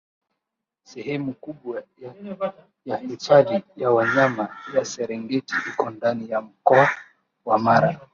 Sehemu kubwa ya Hifadhi ya Wanyama ya Serengeti iko ndani ya Mkoa wa Mara